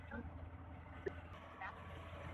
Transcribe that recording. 书院东侧有网球场。